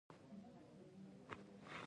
دلته باید ونه وکرو